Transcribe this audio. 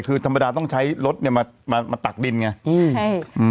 คือธรรมดาต้องใช้รถมาตักดินไง